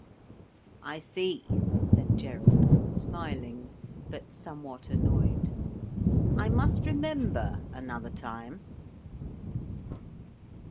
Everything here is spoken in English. "I see," said Gerald, smiling, but somewhat annoyed. "I must remember another time."